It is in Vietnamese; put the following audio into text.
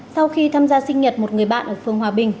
sau khi tham gia sinh nhật một người bạn ở phương hòa bình